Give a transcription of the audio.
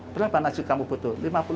berapa najib kamu butuh